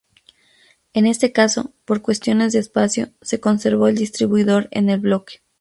En este caso, por cuestiones de espacio, se conservó el distribuidor en el bloque.